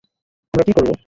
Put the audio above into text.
আমরা কী করবো?